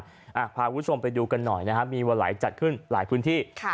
พาคุณผู้ชมไปดูกันหน่อยนะฮะมีวันไหลจัดขึ้นหลายพื้นที่ค่ะ